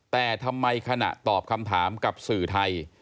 แต่ทำไมขณะตอบคำถามกับสื่อไทย